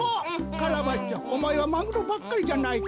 カラバッチョおまえはマグロばっかりじゃないか。